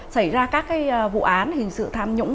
xảy ra các vụ án hình sự tham nhũng